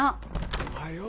おはよう。